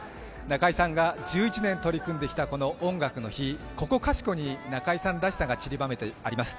中居さんが１１年取り組んできた、この「音楽の日」、ここかしこに中居さんらしさがちりばめてあります。